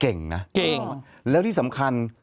เก่งนะแล้วที่สำคัญ